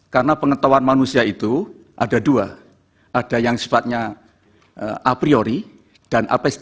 karena pengetahuan manusia itu ada dua ada yang sepatnya a priori dan a posteriori